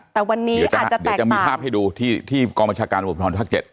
แต่วันนี้อาจจะแตกต่างเดี๋ยวจะมีภาพให้ดูที่กองบัญชาการตระบุธธรรมภาคเจ็ด